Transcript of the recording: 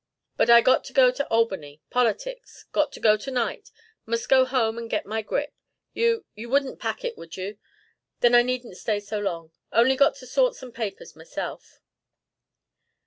But I got to go to Albany politics got to go to night must go home and get my grip. You you wouldn't pack it, would you? Then I needn't stay so long. Only got to sort some papers myself."